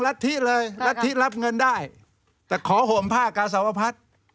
รัฐธิเลยรัฐธิรับเงินได้แต่ขอห่มผ้ากาสาวพัฒน์